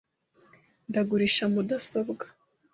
Ndagurisha mudasobwa .